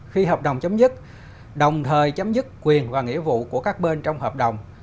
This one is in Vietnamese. khi hợp đồng chấm dứt đồng thời chấm dứt quyền và nghĩa vụ của các bên trong hợp đồng